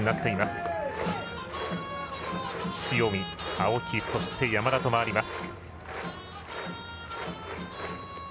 塩見、青木、山田と回ります。